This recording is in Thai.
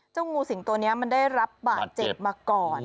งูสิงตัวนี้มันได้รับบาดเจ็บมาก่อน